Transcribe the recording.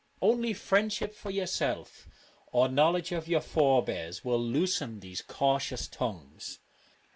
Only friendship for yourself or knowledge of your forebears will loosen these cautious tongues.